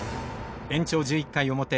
延長１１回表。